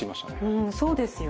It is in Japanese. うんそうですよね。